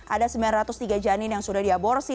ada sembilan ratus tiga janin yang sudah diaborsi